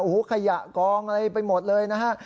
โอ้โหขยะกองอะไรไปหมดเลยนะฮะ